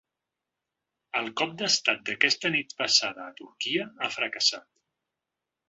El cop d’estat d’aquesta nit passada a Turquia ha fracassat.